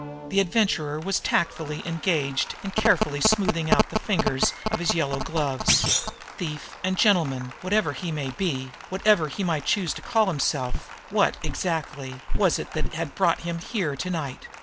The Adventurer was tactfully engaged in carefully smoothing out the fingers of his yellow gloves. Thief and gentleman, whatever he might be, whatever he might choose to call himself, what, exactly, was it that had brought him here to night?